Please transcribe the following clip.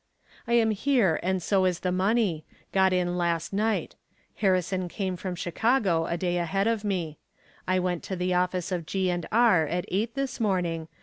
"I am here and so is the money. Got in last night. Harrison came from Chicago a day ahead of me. I went to the office of G. & R. at eight this morning.